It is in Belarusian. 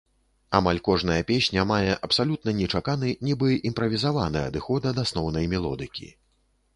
Амаль кожная песня мае абсалютна нечаканы нібы імправізаваны адыход ад асноўнай мелодыкі.